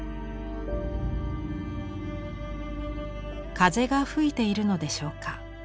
風が吹いているのでしょうか。